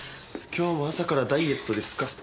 今日も朝からダイエットですか。